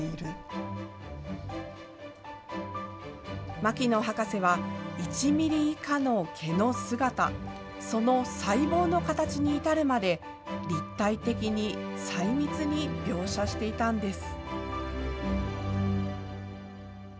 牧野博士は、１ミリ以下の毛の姿、その細胞の形にいたるまで、立体的に細密に描写していたんです。